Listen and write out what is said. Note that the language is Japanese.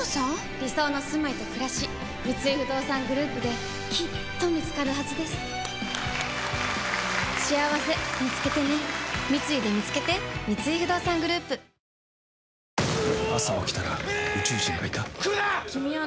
理想のすまいとくらし三井不動産グループできっと見つかるはずですしあわせみつけてね三井でみつけて芸人ポーカーグランプリ！！